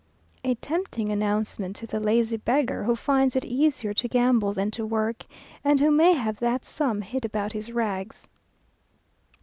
a tempting announcement to the lazy beggar, who finds it easier to gamble than to work, and who may have that sum hid about his rags.